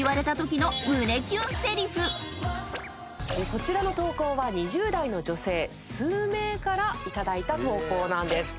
こちらの投稿は２０代の女性数名から頂いた投稿なんです。